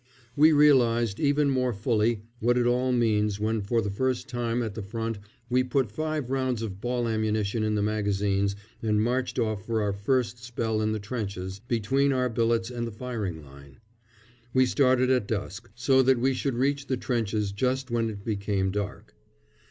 ] We realised even more fully what it all meant when for the first time at the front we put five rounds of ball ammunition in the magazines and marched off for our first spell in the trenches, between our billets and the firing line. We started at dusk, so that we should reach the trenches just when it became dark.